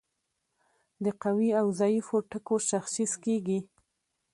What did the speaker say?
د قوي او ضعیفو ټکو تشخیص کیږي.